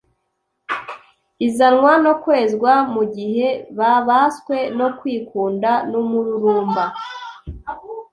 izanwa no kwezwa mu gihe babaswe no kwikunda numururumba